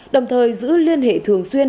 đồng thời giữ liên hệ thường xuyên